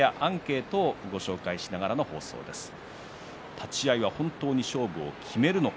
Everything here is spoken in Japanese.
立ち合いは本当に勝負を決めるのか。